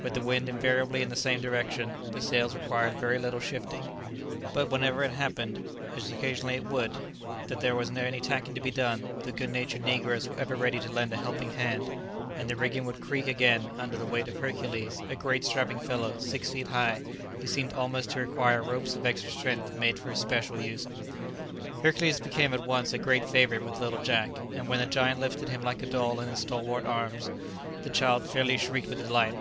With the wind invariably in the same direction, the sails required very little shifting; but whenever it happened, as occasionally it would, that there was any tacking to be done, the good natured negroes were ever ready to lend a helping hand; and the rigging would creak again under the weight of Hercules, a great strapping fellow, six feet high, who seemed almost to require ropes of extra strength made for his special use. Hercules became at once a great favourite with little Jack; and when the giant lifted him like a doll in his stalwart arms, the child fairly shrieked with delight.